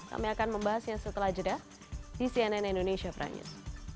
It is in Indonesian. kami akan membahasnya setelah jeda di cnn indonesia pramius